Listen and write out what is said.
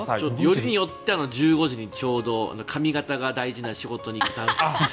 よりによって１５時ちょうど髪形が大事な仕事に。